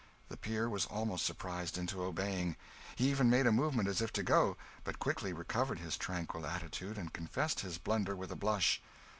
The peer was almost surprised into obeying. He even made a movement as if to go, but quickly recovered his tranquil attitude and confessed his blunder with a blush.